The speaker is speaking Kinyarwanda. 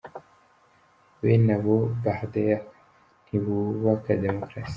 Bena abo « balideri » ntibubaka demokarasi.